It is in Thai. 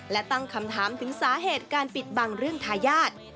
และตั้งคำถามถึงสาเหตุการปิดบังเรื่องทายาท